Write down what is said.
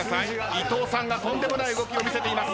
伊藤さんがとんでもない動きを見せています。